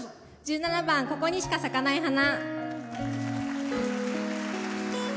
１７番「ここにしか咲かない花」。